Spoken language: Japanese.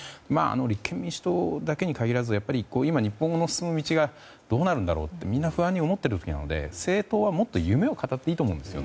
立憲民主党だけに限らず今、日本の進む道がどうなるんだろうとみんな思っているので政党はもっと夢を語っていいと思うんです。